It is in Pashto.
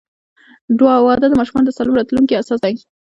• واده د ماشومانو د سالم راتلونکي اساس دی.